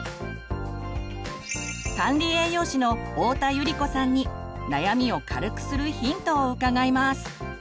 管理栄養士の太田百合子さんに悩みを軽くするヒントを伺います。